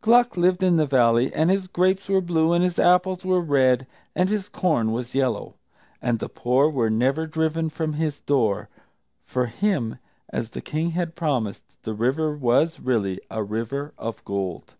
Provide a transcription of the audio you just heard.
Gluck lived in the Valley, and his grapes were blue, and his apples were red, and his corn was yellow; and the poor were never driven from his door. For him, as the King had promised, the river was really a River of Gold.